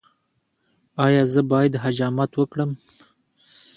ایا زه باید حجامت وکړم؟